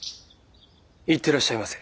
行ってらっしゃいませ。